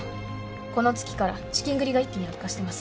この月から資金繰りが一気に悪化してます。